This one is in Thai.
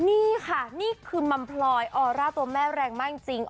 นี่ค่ะนี่คือมัมพลอยออร่าตัวแม่แรงมากจริง